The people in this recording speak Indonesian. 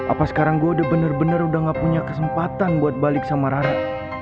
apa sekarang gue udah bener bener udah gak punya kesempatan buat balik sama rara